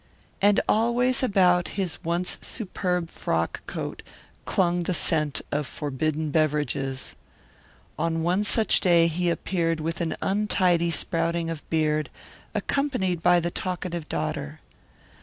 And always about his once superb frock coat clung the scent of forbidden beverages. On one such day he appeared with an untidy sprouting of beard, accompanied by the talkative daughter.